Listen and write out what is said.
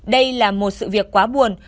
đây là một sự việc quá buồn